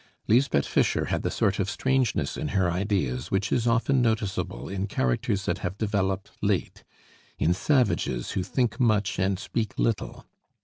Lisbeth Fischer had the sort of strangeness in her ideas which is often noticeable in characters that have developed late, in savages, who think much and speak little.